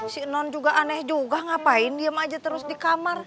si non juga aneh juga ngapain diem aja terus di kamar